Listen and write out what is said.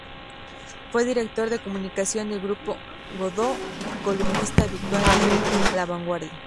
Fue director de comunicación del Grupo Godó y columnista habitual de "La Vanguardia".